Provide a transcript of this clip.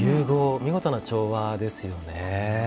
見事な調和ですよね。